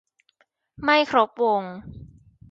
ไม่ครบวง